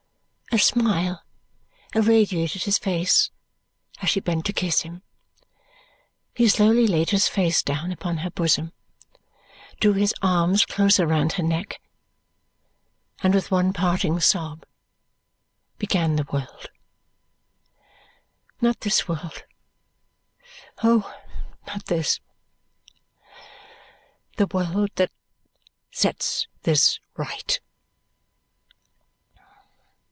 A smile irradiated his face as she bent to kiss him. He slowly laid his face down upon her bosom, drew his arms closer round her neck, and with one parting sob began the world. Not this world, oh, not this! The world that sets this right.